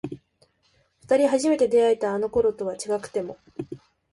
二人初めて出会えたあの頃とは違くても